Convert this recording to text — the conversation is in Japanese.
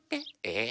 え？